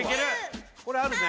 これあるね